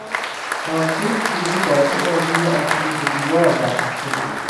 تاقچهی چوبی با دو بازوی آهنی به دیوار وصل شده بود.